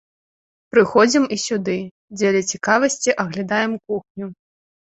Прыходзім і сюды, дзеля цікавасці аглядаем кухню.